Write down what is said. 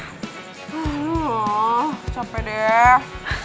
ah capek deh